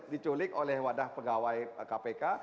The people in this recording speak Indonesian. diculik oleh wadah pegawai kpk